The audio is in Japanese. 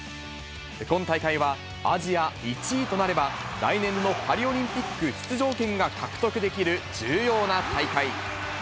今大会はアジア１位となれば、来年のパリオリンピック出場権が獲得できる重要な大会。